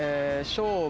勝負。